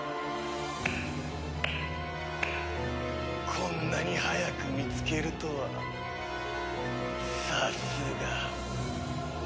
こんなに早く見つけるとはさすが私の英雄。